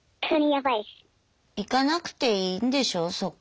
行かなくていいんでしょう？